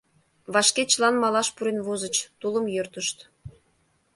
Вашке чылан малаш пурен возыч, тулым йӧртышт.